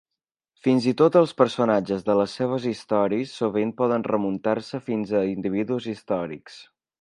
Fins i tot els personatges de les seves històries sovint poden remuntar-se fins a individus històrics.